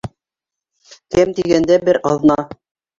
— Кәм тигәндә бер аҙна.